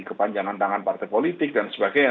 kepanjangan tangan partai politik dan sebagainya